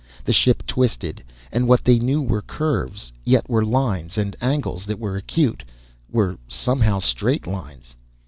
The ship twisted, and what they knew were curves, yet were lines, and angles that were acute, were somehow straight lines.